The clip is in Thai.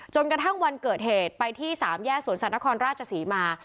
จนกระทั่งวันเกิดเหตุไปที่๓แย่สวนสรรคอร์นราชศรีมา